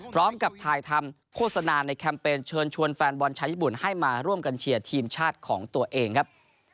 พร้อมกับถ่ายทำโฆษณาในแคมเปญเชิญชวนแฟนบอลชาวญี่ปุ่นให้มาร่วมกันเชียร์ทีมชาติของตัวเองครับ